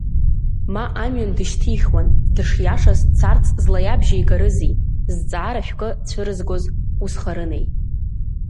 Ма амҩан дышьҭихуан, дышиашаз дцарц злаиабжьеигарызи, зҵаара шәкы цәырызгоз усхарынеи.